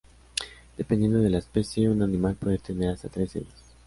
Dependiendo de la especie, un animal puede tener hasta tres de ellas.